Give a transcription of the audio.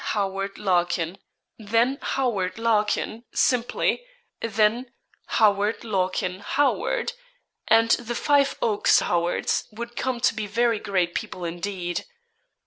Howard Larkin, then Howard Larkin, simply; then Howard Larkin Howard, and the Five Gaks' Howards would come to be very great people indeed.